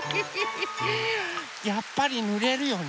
やっぱりぬれるよね。